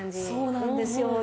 そうなんですよ。